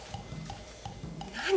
何？